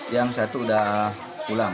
yang satu udah pulang